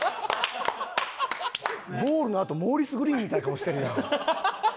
ゴールのあとモーリス・グリーンみたいな顔してるやん。